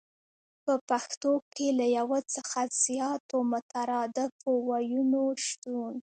په پښتو کې له يو څخه زياتو مترادفو ويونو شتون